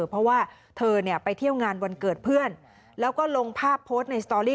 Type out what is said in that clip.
เพราะว่าเธอเนี่ยไปเที่ยวงานวันเกิดเพื่อนแล้วก็ลงภาพโพสต์ในสตอรี่